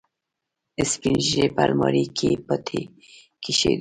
سپينږيري په المارۍ کې پټۍ کېښوده.